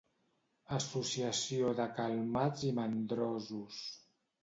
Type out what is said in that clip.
Associació de calmats i mandrosos.